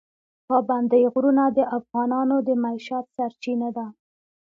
پابندی غرونه د افغانانو د معیشت سرچینه ده.